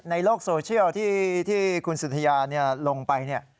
ในโลกโซเชียลที่คุณสุธยาลงไป